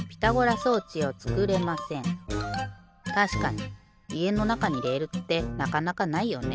たしかにいえのなかにレールってなかなかないよね。